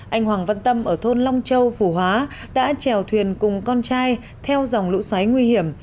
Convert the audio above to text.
anh hoàng văn tâm ở thôn long châu phù hóa đã trèo thuyền cùng con trai theo dòng lũ xoáy nguy hiểm